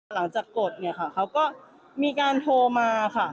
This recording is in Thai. หลังจากกดเนี่ยค่ะเขาก็มีการโทรมาค่ะ